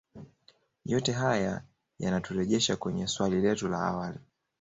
Yote haya yanaturejesha kwenye swali letu la awali